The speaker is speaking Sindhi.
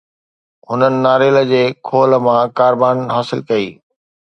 هنن ناريل جي خول مان ڪاربان حاصل ڪئي